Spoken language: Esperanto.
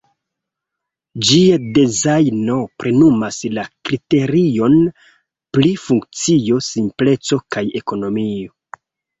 Ĝia dezajno plenumas la kriteriojn pri funkcio, simpleco kaj ekonomio.